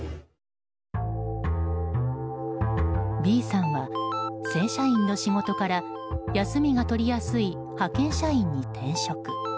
Ｂさんは正社員の仕事から休みが取りやすい派遣社員に転職。